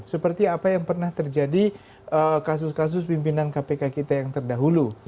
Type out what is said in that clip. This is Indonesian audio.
seperti apa yang pernah terjadi kasus kasus pimpinan kpk kita yang terdahulu